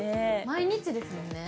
毎日ですもんね。